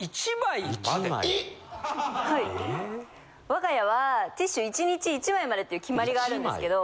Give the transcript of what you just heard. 我が家はティッシュ１日１枚までっていう決まりがあるんですけど。